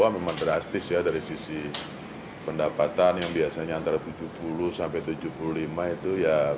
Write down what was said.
memang drastis ya dari sisi pendapatan yang biasanya antara tujuh puluh sampai tujuh puluh lima itu ya